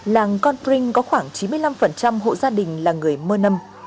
làng con trinh có khoảng chín mươi năm hộ gia đình là người mơ năm